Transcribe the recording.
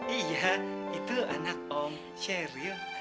iya itu anak om sheryl